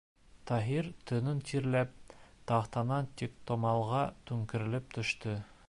Таһир төнөн тирләп, тахтанан тиктомалға түңкәрелеп төштө.